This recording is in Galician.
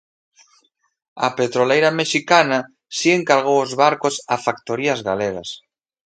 A petroleira mexicana si encargou os barcos a factorías galegas.